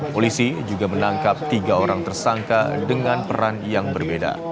polisi juga menangkap tiga orang tersangka dengan peran yang berbeda